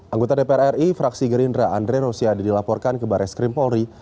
anggota dpr ri fraksi gerindra andre rosiade dilaporkan ke baris krim polri